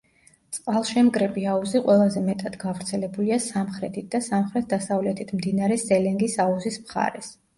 წყალშემკრები აუზი ყველაზე მეტად გავრცელებულია სამხრეთით და სამხრეთ-დასავლეთით მდინარე სელენგის აუზის მხარეს.